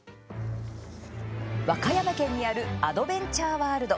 和歌山県にあるアドベンチャーワールド。